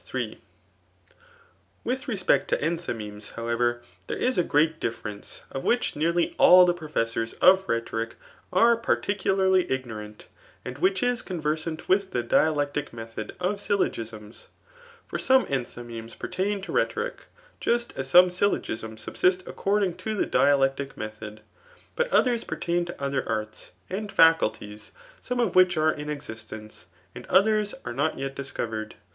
M«ai:t. CHAiPTER Iff. With respect to enthymemes, however, there h a greaf difference, of which nearly all [the professors 6f rhetorkj are particularly ignorant, and which is conversant with die dialectk: method of syllogisms. For some enthy memes pertain to rhetoric, just as some syllogisms sobsfet acconfing to the dialectic method; but others pertain to other arts and faculties, some of which are in existence, and others are not' yet discovered.